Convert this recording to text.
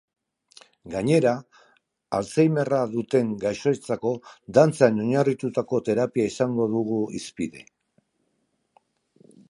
Gainera, alzheimerra duten gaixoentzako dantzan oinarritutako terapia izango dugu hizpide.